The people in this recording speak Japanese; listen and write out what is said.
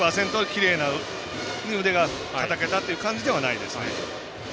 きれいに腕がたたけたという感じではないですね。